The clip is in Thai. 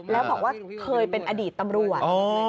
แล้วบอกว่าเคยเป็นอดีตตำรวจ